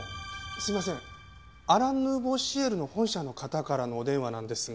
すいませんアラン・ヌーボー・シエルの本社の方からのお電話なんですが。